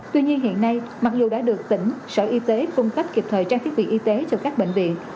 tuy nhiên hiện nay mặc dù đã được tỉnh sở y tế cung cấp kịp thời trang thiết bị y tế cho các bệnh viện